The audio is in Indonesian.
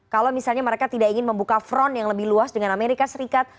kalau misalnya mereka tidak ingin membuka front yang lebih luas dengan amerika serikat